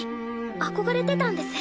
憧れてたんです。